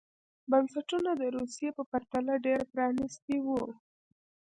بنسټونه د روسیې په پرتله ډېر پرانېستي وو.